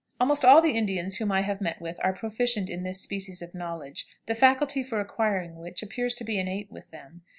Almost all the Indians whom I have met with are proficient in this species of knowledge, the faculty for acquiring which appears to be innate with them.